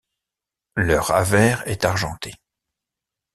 Leur avers est argenté.